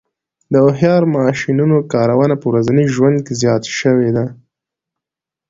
د هوښیار ماشینونو کارونه په ورځني ژوند کې زیات شوي دي.